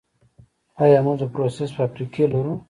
آیا موږ د پروسس فابریکې لرو؟